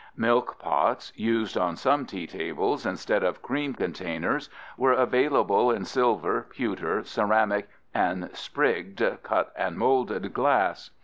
" Milk pots, used on some tea tables instead of cream containers, were available in silver, pewter, ceramic, and "sprig'd, cut and moulded" glass.